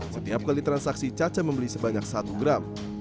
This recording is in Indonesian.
setiap kali transaksi caca membeli sebanyak satu gram